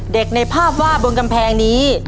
ในภาพว่าบนกำแพงนี้